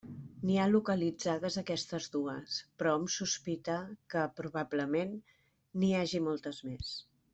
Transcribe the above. N'hi ha localitzades aquestes dues, però hom sospita que, probablement, n'hi hagi moltes més.